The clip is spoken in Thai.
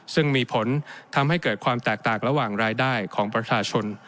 ซึ่งมีผลทำให้เกิดความแตกต่างระหว่างรายได้ของประชาชน